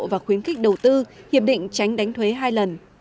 và khuyến khích đầu tư hiệp định tránh đánh thuế hai lần